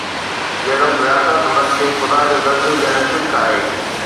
جهڙوڪ، رياست، انهن کي خدا جو درجو ڏيڻ شرڪ آهي.